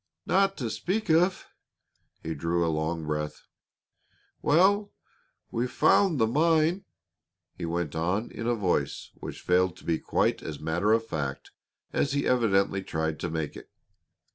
"Not to speak of." He drew a long breath. "Well, we've found the mine," he went on in a voice which failed to be quite as matter of fact as he evidently tried to make it.